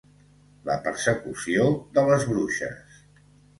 La Persecució de les Bruixes.